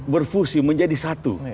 berfusi menjadi satu